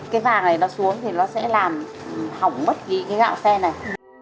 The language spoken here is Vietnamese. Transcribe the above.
cái vàng này nó xuống thì nó sẽ làm hỏng bất kỳ cái gạo xe này